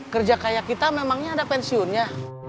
kerja kayak kita memangnya ada pensiunnya